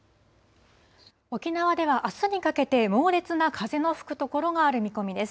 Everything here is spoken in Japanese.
沖縄ではあすにかけて猛烈な風の吹く所がある見込みです。